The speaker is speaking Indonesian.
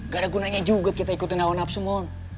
gak ada gunanya juga kita ikutin awan nafsu mo